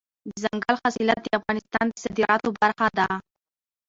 دځنګل حاصلات د افغانستان د صادراتو برخه ده.